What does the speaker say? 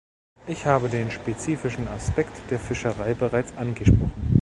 Ich habe den spezifischen Aspekt der Fischerei bereits angesprochen.